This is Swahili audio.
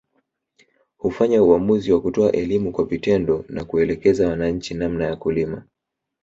Hufanya uamuzi wa kutoa elimu kwa vitendo na kuelekeza wananchi namna ya kulima